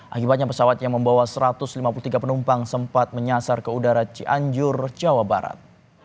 akibatnya pesawat yang membawa satu ratus lima puluh tiga penumpang sempat menyasar ke udara cianjur jawa barat